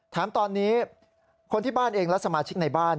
แถมตอนนี้คนที่บ้านเองและสมาชิกในบ้าน